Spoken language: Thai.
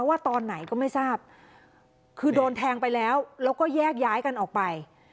ว่าตอนไหนก็ไม่ทราบคือโดนแทงไปแล้วแล้วก็แยกย้ายกันออกไป